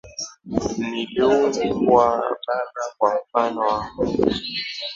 Niliumbwa baba kwa mfano wako.